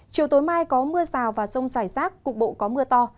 chiều tối mai có mưa rào và rông rải rác cục bộ có mưa to